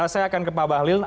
saya akan ke pak bahlil